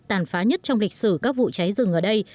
tàn phá nhất trong lịch sử các vụ cháy rừng ở đây